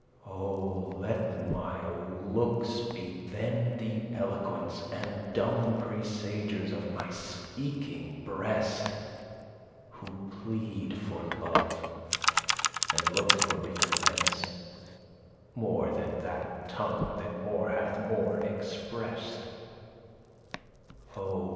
O! let my looks be then the eloquence And dumb presagers of my speaking breast, Who plead for love, and look for recompense, More than that tongue that more hath more express'd. O!